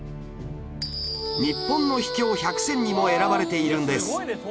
「日本の秘境百選」にも選ばれているんです